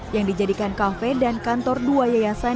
yang dijadikan kafe dan kantor dua yayasan